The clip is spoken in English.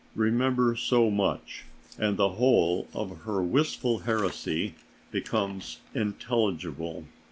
Remember so much, and the whole of her wistful heresy becomes intelligible.